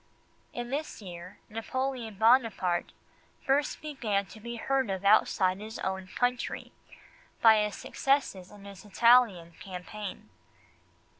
In this year Napoleon Buonaparte first began to be heard of outside his own country, by his successes in his Italian campaign.